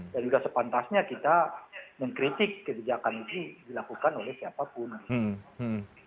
dan sudah sepantasnya kita mengkritik kebijakan itu dilakukan oleh siapapun